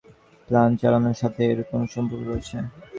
Plane চালানোর সাথে এর কোনো সম্পর্ক রয়েছে?